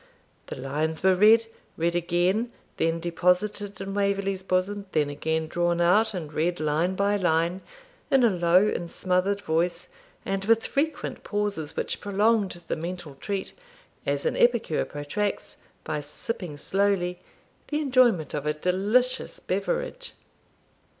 The lines were read read again, then deposited in Waverley's bosom, then again drawn out, and read line by line, in a low and smothered voice, and with frequent pauses which prolonged the mental treat, as an epicure protracts, by sipping slowly, the enjoyment of a delicious beverage.